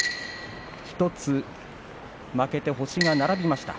１つ負けて、星が並びました。